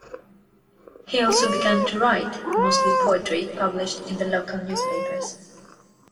He also began to write, mostly poetry published in the local newspapers.